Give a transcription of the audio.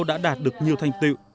đã đạt được nhiều thanh tiệu